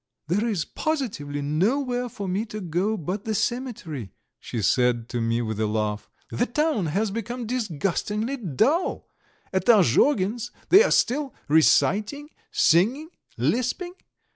"There is positively nowhere for me to go now but the cemetery," she said to me with a laugh. "The town has become disgustingly dull. At the Azhogins' they are still reciting, singing, lisping.